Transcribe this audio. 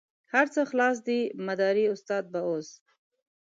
هر څه خلاص دي مداري استاد به اوس.